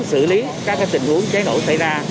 xử lý các tình huống cháy nổ xảy ra